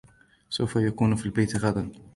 سوف يكون في البيت غداً.